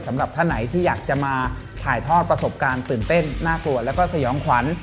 สำหรับท่านไหนที่อยากจะมาถ่ายทอดประสบการณ์ตื่นเต้นน่ากลัวแล้วก็สยองขวัญ